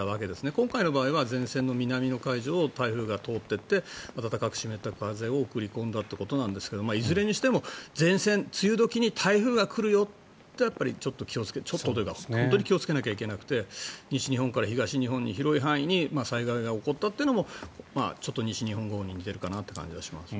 今回の場合は前線の南の海上を台風が通って行って暖かく湿った風を送り込んだということですがいずれにしても梅雨時に台風が来るよってちょっとというか本当に気をつけないといけなくて西日本から東日本の広い範囲に災害が起こったっていうのもちょっと西日本豪雨に似ているかなという感じがします。